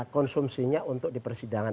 konsumsinya untuk di persidangan